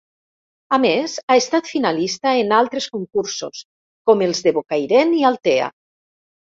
A més, ha estat finalista en altres concursos, com els de Bocairent i Altea.